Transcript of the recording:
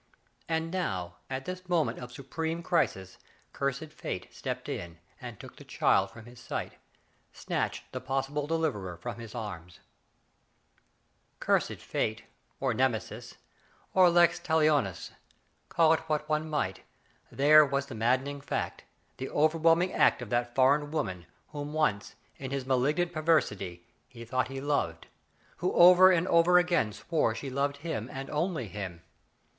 And now, at this moment of supreme crisis, cursed Fate stepped in and took the child from his sight, snatched the possible deliverer from his arms ! Cursed Fate, or Nemesis, or lex talionisy call it what one might, there was the maddening fact, the overwhelming act of that foreign woman whom once, in his malignant perversity, he thought he loved, who over and over again swore she loved him and only him